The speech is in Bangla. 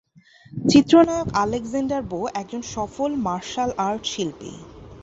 চিত্রনায়ক আলেকজান্ডার বো একজন সফল মার্শাল আর্ট শিল্পী।